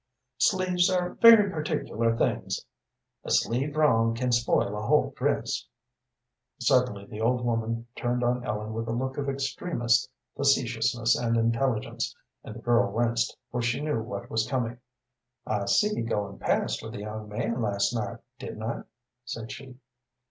"Sleeves are very particular things; a sleeve wrong can spoil a whole dress." Suddenly the old woman turned on Ellen with a look of extremest facetiousness and intelligence, and the girl winced, for she knew what was coming. "I see you goin' past with a young man last night, didn't I?" said she.